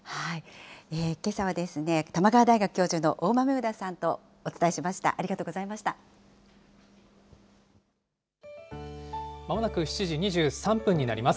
けさは、玉川大学教授の大豆生田さんとお伝えしまもなく７時２３分になります。